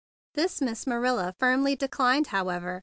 This Miss Ma¬ rilla firmly declined, however.